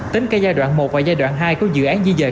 tính cả giai đoạn một và giai đoạn hai của dự án di dời